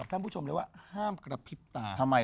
ท่านผู้ชมเลยว่าห้ามกระพริบตา